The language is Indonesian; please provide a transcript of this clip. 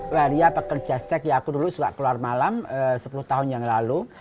waria pekerja seks ya aku dulu suka keluar malam sepuluh tahun yang lalu